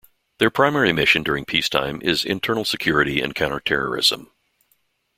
Their primary mission during peacetime is internal security and counter-terrorism.